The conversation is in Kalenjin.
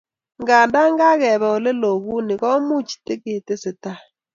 kanda kakebee oleloo kuni komuch tigetesetai